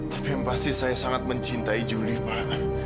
tapi yang pasti saya sangat mencintai juli pak